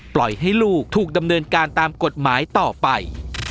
ปล่อยให้ลูกถูกดำเนินการตามกฎหมายต่อไป